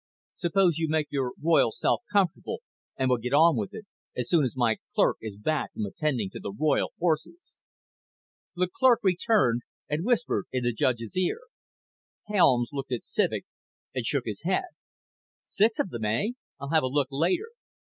Suppose you make your royal self comfortable and we'll get on with it as soon as my clerk is back from attending to the royal horses." The clerk returned and whispered in the judge's ear. Helms looked at Civek and shook his head. "Six of them, eh? I'll have a look later.